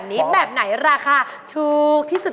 นี้แบบไหนราคาถูกที่สุด